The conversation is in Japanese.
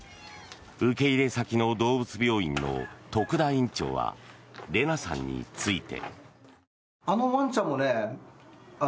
受け入れ先の動物病院の徳田院長はレナさんについて。